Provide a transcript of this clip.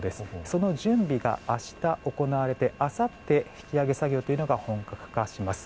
その準備が明日行われてあさって引き揚げ作業が本格化します。